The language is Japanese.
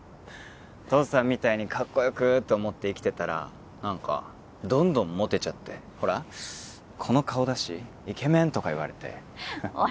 父さんみたいにカッコよくと思って生きてたら何かどんどんモテちゃってほらこの顔だしイケメンとか言われておい